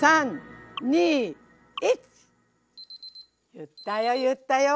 ゆったよゆったよ。